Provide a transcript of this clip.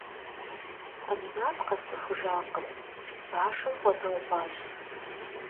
Аминат къэсцӏыхужакъым, башым хуэдэу гъуащ.